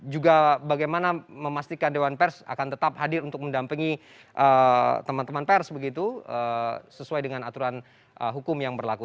juga bagaimana memastikan dewan pers akan tetap hadir untuk mendampingi teman teman pers begitu sesuai dengan aturan hukum yang berlaku